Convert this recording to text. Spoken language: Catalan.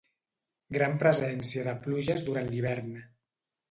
Gran presència de pluges durant l'hivern.